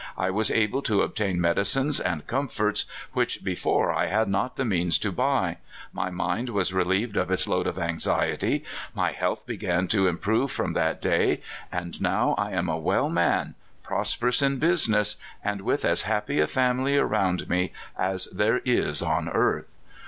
I was able to ob tain medicines and comforts which before I had not the means to buy ; my mind was relieved of its load of terrible mental anxiety ; my health began to improve from that day, and now I am a wel^ 12 178 California Traits. man, prosiDerous in business, and with as happy a family around me as there is on earth."